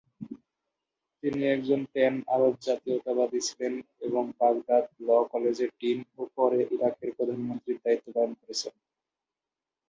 তিনি একজন pan Arab জাতীয়তাবাদি ছিলেন এবং বাগদাদ ল কলেজের ডিন ও পরে ইরাকের প্রধানমন্ত্রীর দায়িত্বপালন করেছেন।